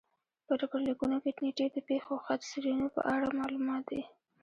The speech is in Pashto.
په ډبرلیکونو کې نېټې د پېښو خط سیرونو په اړه معلومات دي